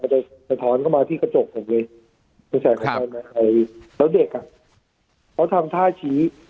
จะถอนเข้ามาที่กระจกผมเลยแล้วเด็กอ่ะเขาทำท่าชี้